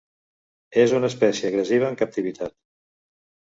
És una espècie agressiva en captivitat.